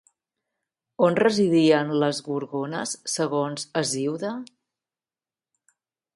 On residien les Gorgones, segons Hesíode?